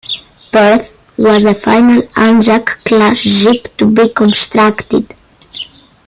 "Perth" was the final "Anzac"-class ship to be constructed.